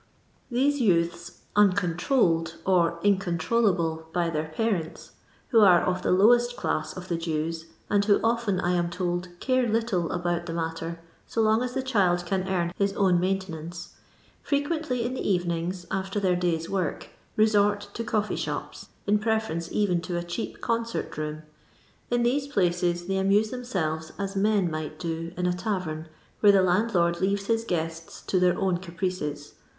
These youths, uncontrolled or iwconirolldble by their pareuu (who are of the lowest class of the Jews, and who often, I am told, care little about the matter, so long as the child can earn his own mainte nance), frequently in the evenings, after their day's work, resort to coffee shops, in preference even to a cheap concert room. In these places they amuse themselves as men might do in a tavem'where the landlord leaves his guests to their own caprices.